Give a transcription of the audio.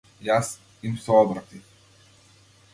Јас им се обратив.